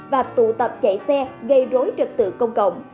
và tụ tập chạy xe gây rối trực tự công cộng